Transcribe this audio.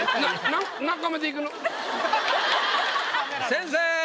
先生！